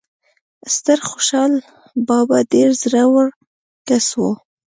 ستر خوشال بابا ډیر زړه ور کس وو